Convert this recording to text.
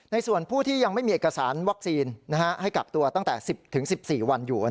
ส่วนผู้ที่ยังไม่มีเอกสารวัคซีนให้กักตัวตั้งแต่๑๐๑๔วันอยู่